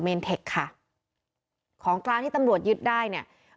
บเมนเทคคะของกลางที่ตำลวดยึดได้เนี้ย